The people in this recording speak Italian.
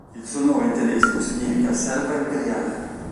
Il suo nome in tedesco significa “selva imperiale”.